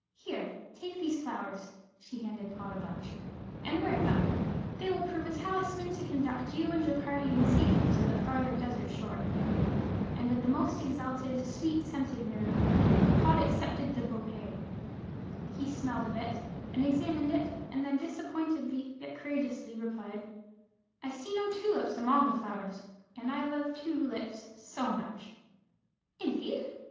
Here, take these flowers" (she handed Pod a bunch) "and wear them. They will prove a talisman to conduct you and your party in safety to the farther desert shore." And with the most exalted, sweet scented nerve Pod accepted the bokay. He smelled of it, and examined it, and then disappointedly yet courageously replied: "I see no tulips among the flowers, and I love two lips so much." "Indeed?